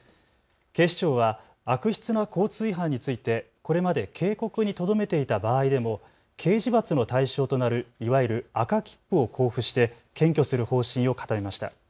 警視庁は悪質な交通違反についてこれまで警告にとどめていた場合でも刑事罰の対象となるいわゆる赤切符を交付して検挙する方針を固めました。